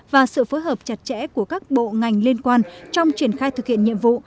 và sự phối hợp chặt chẽ của các bộ ngành liên quan trong triển khai thực hiện nhiệm vụ